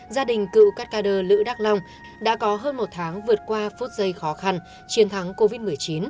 gia đình cựu cát cà đơ lữ đắc long đã có hơn một tháng vượt qua phút giây khó khăn chiến thắng covid một mươi chín